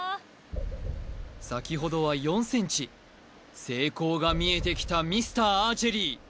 先ほどは４ｃｍ成功が見えてきたミスターアーチェリー